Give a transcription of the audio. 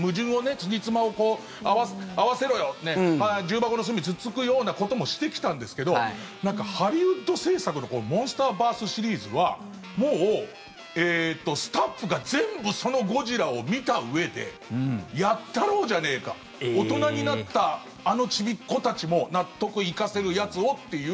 つじつまを合わせろよ重箱の隅をつっつくようなこともしてきたんですけどハリウッド制作の「モンスターバース」シリーズはもう、スタッフが全部そのゴジラを見たうえでやったろうじゃねえか大人になったあのちびっ子たちも納得いかせるやつをっていう。